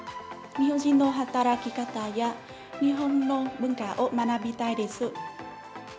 日本人の働き方や、日本の文化を学びたいです。